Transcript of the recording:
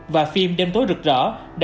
và phim đêm tối rực rỡ